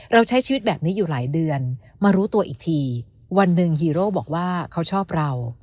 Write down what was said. เราใช้ชีวิตแบบนี้อยู่หลายเดือนมารู้ตัวอีกทีวันหนึ่งฮีโร่บอกว่าเขาชอบเรา